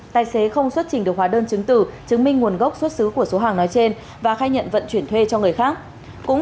tài xế không xuất trình được hóa đơn chứng tử chứng minh nguồn gốc xuất xứ của số hàng